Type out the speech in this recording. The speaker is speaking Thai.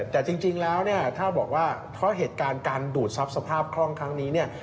แต่จริงแล้วเนี่ยถ้าบอกว่าเพราะเหตุการณ์การดูดทรัพย์สภาพคล่องครั้งนี้เนี่ย